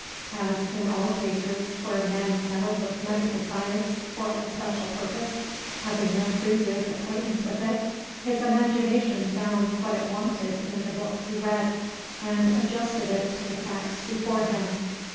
As in all cases where men meddle with medical science for a special purpose, having no previous acquaintance with it, his imagination found what it wanted in the books he read, and adjusted it to the facts before him.